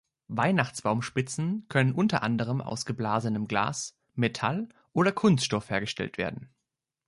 Weihnachtsbaumspitzen können unter anderem aus geblasenem Glas, Metall oder Kunststoff hergestellt werden.